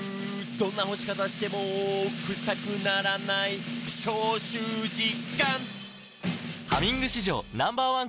「どんな干し方してもクサくならない」「消臭実感！」